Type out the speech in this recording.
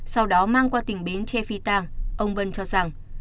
sau đó mang qua tỉnh bến tre phi tàng ông vân cho rằng